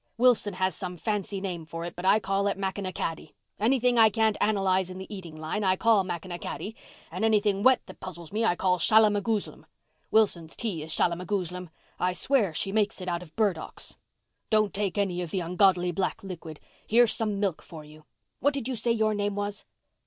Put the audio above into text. Wilson has some fancy name for it, but I call lit macanaccady. Anything I can't analyze in the eating line I call macanaccady and anything wet that puzzles me I call shallamagouslem. Wilson's tea is shallamagouslem. I swear she makes it out of burdocks. Don't take any of the ungodly black liquid—here's some milk for you. What did you say your name was?"